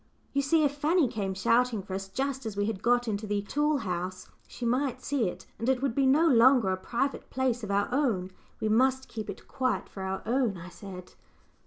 "You see, if Fanny came shouting for us just as we had got into the tool house, she might see it, and it would be no longer a private place of our own; we must keep it quite for our own," I said.